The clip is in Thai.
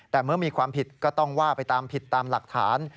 แต่เมื่อมีความผิดก็ต้องว่าไปตามผิดตามหลักฐาน